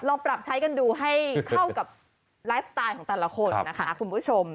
ลองปรับใช้กันดูให้เข้ากับไลฟ์สไตล์ของแต่ละคนนะคะคุณผู้ชม